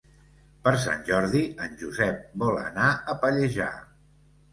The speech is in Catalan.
Per Sant Jordi en Josep vol anar a Pallejà.